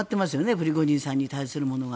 プリゴジンさんに対するものが。